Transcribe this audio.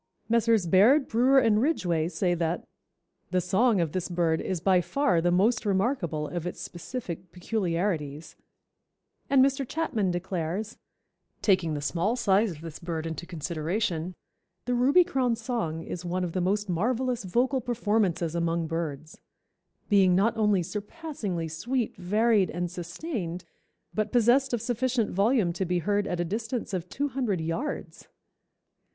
Messrs. Baird, Brewer and Ridgway say that "The song of this bird is by far the most remarkable of its specific peculiarities," and Mr. Chapman declares, "Taking the small size of the bird into consideration, the Ruby crown's song is one of the most marvellous vocal performances among birds; being not only surpassingly sweet, varied and sustained, but possessed of sufficient volume to be heard at a distance of two hundred yards.